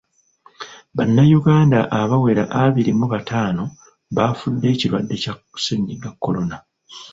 Bannayuganda abawera abiri mu bataano baafudde ekirwadde kya ssennyiga kolona.